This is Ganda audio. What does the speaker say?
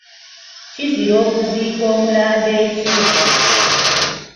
Kizira okuziika omulambo ekiro.